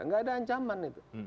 enggak ada ancaman itu